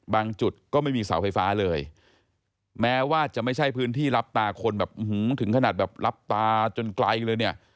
จุดก็ไม่มีเสาไฟฟ้าเลยแม้ว่าจะไม่ใช่พื้นที่รับตาคนแบบถึงขนาดแบบรับตาจนไกลเลยเนี่ย